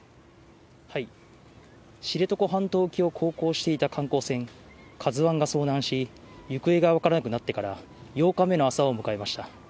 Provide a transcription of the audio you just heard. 知床半島沖を航行していた観光船、ＫＡＺＵＩが遭難し、行方が分からなくなってから８日目の朝を迎えました。